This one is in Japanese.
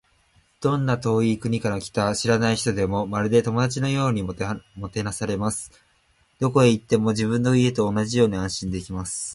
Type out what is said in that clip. どんな遠い国から来た知らない人でも、まるで友達のようにもてなされます。どこへ行っても、自分の家と同じように安心できます。